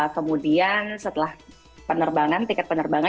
kemudian setelah penerbangan tiket penerbangan